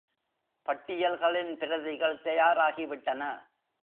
பட்டியல்களின் பிரதிகள் தயாராகி விட்டன.